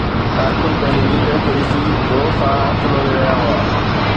ڪارڪن پنهنجي ليڊر کي ڏسي زور سان هٿ لوڏي رهيا هئا.